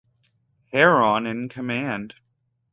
Herron in command.